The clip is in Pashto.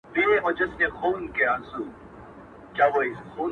زه د ساقي تر احترامه پوري پاته نه سوم’